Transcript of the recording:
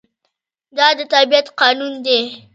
دا د طبیعت قانون دی.